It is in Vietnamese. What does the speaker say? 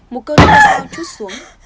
một cơn gió trút xuống